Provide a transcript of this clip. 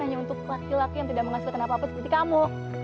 hanya untuk laki laki yang tidak menghasilkan apa apa seperti kamu